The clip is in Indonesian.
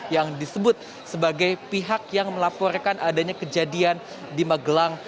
yang disebut sebagai pihak yang melaporkan adanya kejadian di magelang